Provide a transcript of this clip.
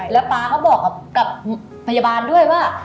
แล้วป๊าก็บอกกับพยาบาลด้วยว่า